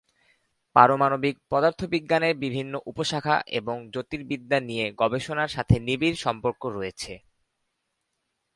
পারমাণবিক পদার্থবিজ্ঞানের বিভিন্ন উপশাখা এবং জ্যোতির্বিদ্যা নিয়ে গবেষণার সাথে এর নিবিড় সম্পর্ক রয়েছে।